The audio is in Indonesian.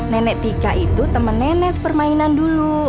nenek tika itu teman nenek sepermainan dulu